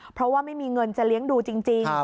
เพราะว่าไม่มีเงินจะเลี้ยงดูจริง